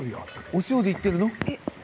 お塩でいってるの？